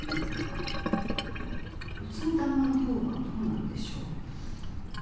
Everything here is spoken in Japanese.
うちの旦那のほうはどうなんでしょう？